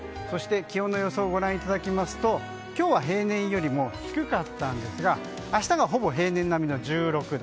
そして気温の予想をご覧いただきますと今日は平年よりも低かったんですが明日がほぼ平年並みの１６度。